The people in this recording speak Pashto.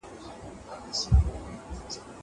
زه کولای سم موبایل کار کړم.